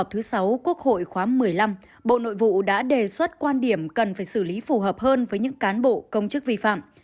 cả cán bộ sweater cần phải xử lý phù hợp hơn với những cán bộ công chức vi phạm